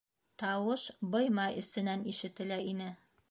Тауыш быйма эсенән ишетелә ине.